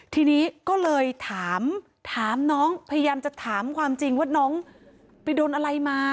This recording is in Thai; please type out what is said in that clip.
ทีนี้ก็เลยถามถามน้องพยายามจะถามความจริงว่าน้องไปโดนอะไรมา